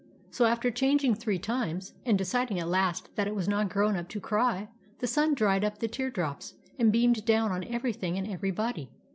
So, after changing three times, and deciding at last that it was not grown up to cry, the sun dried up the tear drops and beamed down on everything and everybody.